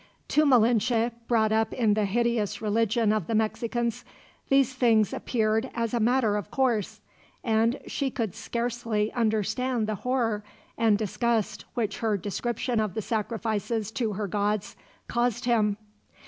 To Malinche, brought up in the hideous religion of the Mexicans, these things appeared as a matter of course; and she could scarcely understand the horror, and disgust, which her description of the sacrifices to her gods caused him.